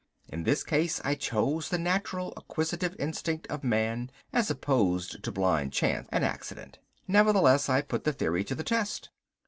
In this case I chose the natural acquisitive instinct of man as opposed to blind chance and accident. Nevertheless I put the theory to the test.